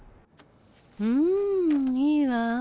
うんいいわ。